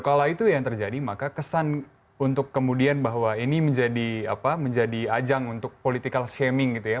kalau itu yang terjadi maka kesan untuk kemudian bahwa ini menjadi ajang untuk political shaming gitu ya